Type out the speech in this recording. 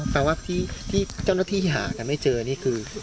แปลว่าที่เจ้าหน้าที่หากันไม่เจอนี่คือ